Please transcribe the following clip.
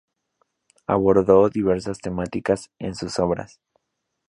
Abordó diversas temáticas en sus obras.